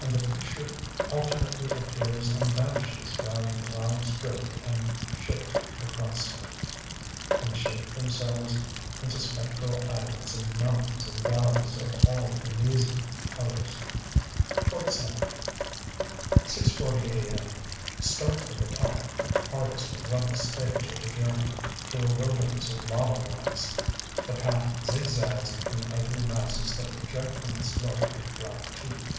And the picture alternately appears and vanishes while the clouds drift and shift across it, and shape themselves into spectral islands and mountains and valleys of all Elysian colors.... VII 6:40 a. m. Start for the top.... Hardest and roughest stage of the journey, through a wilderness of lava blocks. The path zigzags between ugly masses that project from the slope like black teeth.